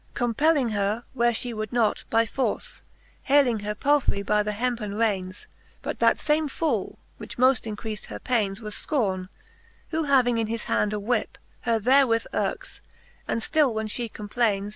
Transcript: Compelling her, where fhe would not by force. Haling her palfrey by the hempen raincs. Bat that fame foole, which moft increaft her paines. Was Scorne^ who having in his hand a whip, Her therewith yirks, and ftill when fhe complaines.